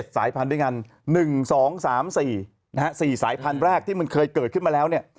สายพันธุ์ด้วยกัน๑๒๓๔๔สายพันธุ์แรกที่มันเคยเกิดขึ้นมาแล้ว